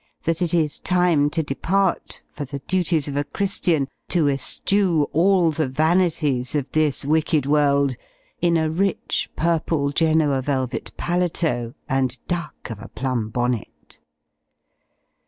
that it is time to depart, for the duties of a Christian, to eschew all the vanities of this wicked world, in a rich purple Genoa velvet paletot and duck of a plum bonnet.